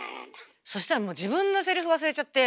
そしたら自分のセリフ忘れちゃって。